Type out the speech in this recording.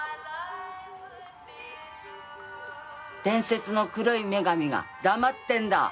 伝説の黒い女神が黙ってんだ？